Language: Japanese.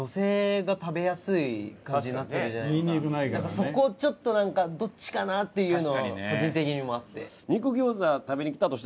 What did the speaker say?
そこちょっとなんかどっちかな？っていうの個人的にもあって。